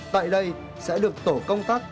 tại đây sẽ được tổ công tác